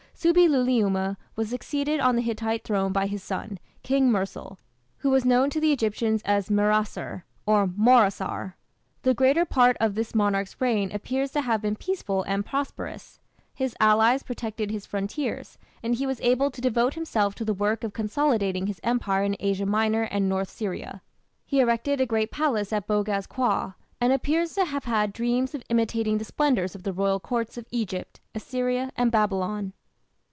Subbi luliuma was succeeded on the Hittite throne by his son, King Mursil, who was known to the Egyptians as "Meraser", or "Maurasar". The greater part of this monarch's reign appears to have been peaceful and prosperous. His allies protected his frontiers, and he was able to devote himself to the work of consolidating his empire in Asia Minor and North Syria. He erected a great palace at Boghaz Köi, and appears to have had dreams of imitating the splendours of the royal Courts of Egypt, Assyria, and Babylon.